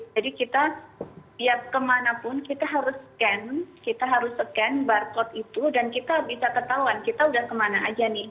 jadi kita siap kemanapun kita harus scan kita harus scan barcode itu dan kita bisa ketahuan kita udah kemana aja nih